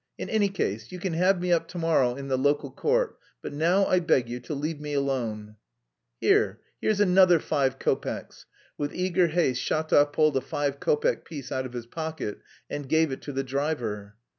In any case you can have me up to morrow in the local court, but now I beg you to let me alone." "Here, here's another five kopecks." With eager haste Shatov pulled a five kopeck piece out of his pocket and gave it to the driver.